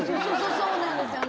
そうなんですよね。